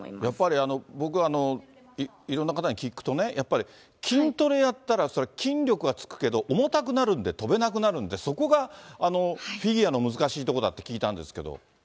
やっぱり、僕、いろんな方に聞くとね、やっぱり筋トレやったら、そりゃ、筋力はつくけど、重たくなるんで、跳べなくなるんで、そこがフィギュアの難しいところだって聞いたんですけど。